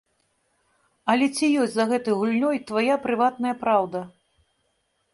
Але ці ёсць за гэтай гульнёй твая прыватная праўда?